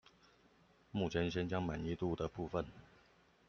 目前先將滿意度的部分